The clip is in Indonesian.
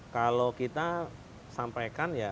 kalau kita sampaikan ya